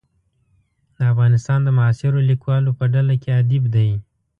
د افغانستان د معاصرو لیکوالو په ډله کې ادیب دی.